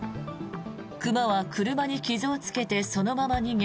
熊は車に傷をつけてそのまま逃げ